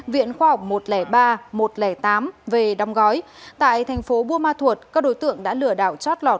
viện khoa học một trăm linh ba một trăm linh tám về đông gói tại tp bua ma thuột các đối tượng đã lừa đảo chót lọt